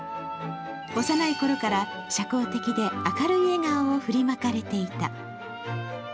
幼いころから社交的で、明るい笑顔を振りまかれていた。